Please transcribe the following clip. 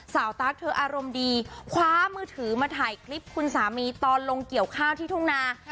ตั๊กเธออารมณ์ดีคว้ามือถือมาถ่ายคลิปคุณสามีตอนลงเกี่ยวข้าวที่ทุ่งนา